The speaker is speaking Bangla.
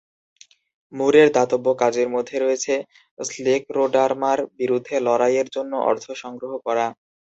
মুরের দাতব্য কাজের মধ্যে রয়েছে স্ক্লেরোডারমার বিরুদ্ধে লড়াইয়ের জন্য অর্থ সংগ্রহ করা।